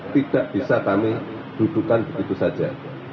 tidak bisa kami dudukan begitu saja